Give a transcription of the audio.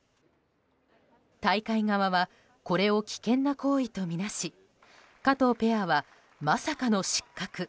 大会側はこれを危険な行為とみなし加藤ペアはまさかの失格。